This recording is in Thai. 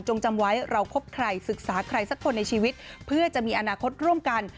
จำไว้เราคบใครศึกษาใครสักคนในชีวิตเพื่อจะมีอนาคตร่วมกัน